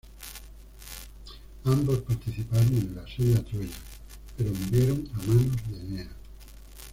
Ambos participaron en el asedio a Troya, pero murieron a manos de Eneas.